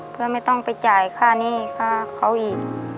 เพื่อไม่ต้องไปจ่ายค่าหนี้ค่าเขาอีก